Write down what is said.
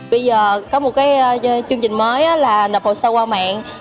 bây giờ có một chương trình mới là nộp hồ sơ qua mạng